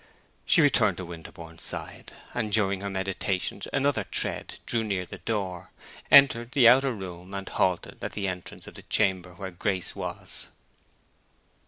She returned to Winterborne's side, and during her meditations another tread drew near the door, entered the outer room, and halted at the entrance of the chamber where Grace was.